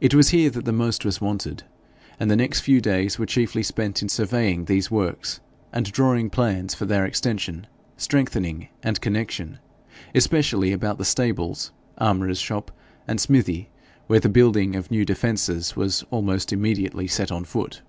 It was here that the most was wanted; and the next few days were chiefly spent in surveying these works, and drawing plans for their extension, strengthening, and connection especially about the stables, armourer's shop, and smithy, where the building of new defences was almost immediately set on foot.